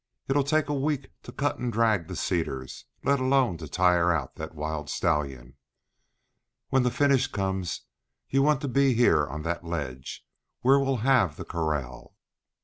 "It'll take a week to cut and drag the cedars, let alone to tire out that wild stallion. When the finish comes you want to be on that ledge where we'll have the corral."